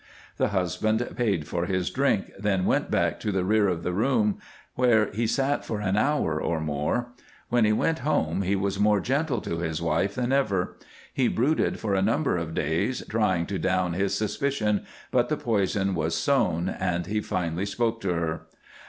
The husband paid for his drink, then went back to the rear of the room, where he sat for an hour or more. When he went home he was more gentle to his wife than ever. He brooded for a number of days, trying to down his suspicion, but the poison was sown, and he finally spoke to her.